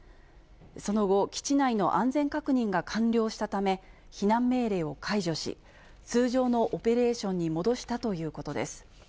その後、基地内の安全確認が完了したため、避難命令を解除し、通常のオペレーションに戻したということです。